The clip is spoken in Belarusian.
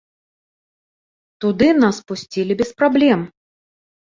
Туды нас пусцілі без праблем.